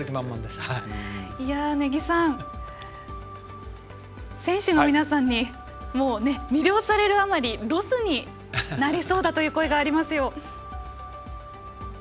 根木さん、選手の皆さんに魅了されるあまりロスになりそうだという声がありますよ。